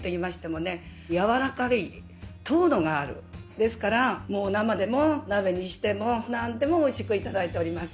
ですから生でも鍋にしてもなんでもおいしく頂いております。